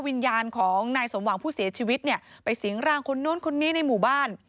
วิญญาณของนายสมหวังผู้เสียชีวิตเนี่ยไปสิงร่างคนนู้นคนนี้ในหมู่บ้าน